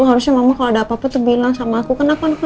seharusnya mama kalau ada apa apa tuh bilang sama aku kan apa apa